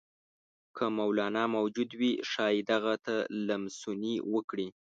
که مولنا موجود وي ښايي دغه ته لمسونې وکړي.